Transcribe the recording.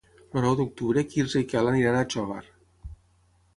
El nou d'octubre en Quirze i en Quel aniran a Xóvar.